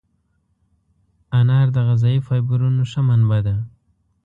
انار د غذایي فایبرونو ښه منبع ده.